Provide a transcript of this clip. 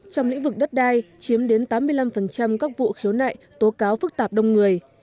trong lĩnh vực đất đai chiếm đến tám mươi năm các vụ khiếu nại tố cáo phức tạp đông người